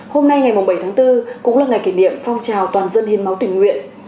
hôm nay ngày bảy tháng bốn cũng là ngày kỷ niệm phong trào toàn dân hiến máu tình nguyện